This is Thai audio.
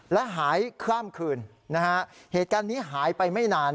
และหายข้ามคืนนะฮะเหตุการณ์นี้หายไปไม่นาน